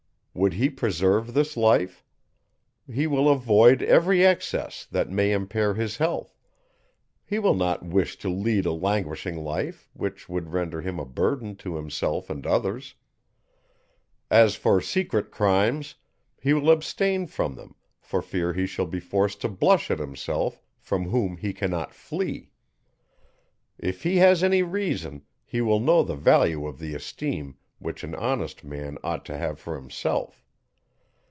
Would he preserve this life? he will avoid every excess, that may impair his health; he will not wish to lead a languishing life, which would render him a burden to himself and others. As for secret crimes, he will abstain from them, for fear he shall be forced to blush at himself, from whom he cannot flee. If he has any reason, he will know the value of the esteem which an honest man ought to have for himself.